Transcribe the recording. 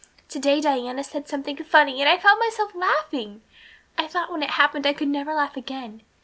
Today Diana said something funny and I found myself laughing. I thought when it happened I could never laugh again.